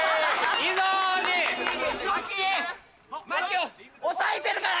私が押さえてるから！